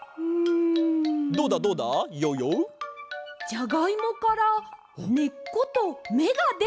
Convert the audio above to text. じゃがいもからねっことめがでています。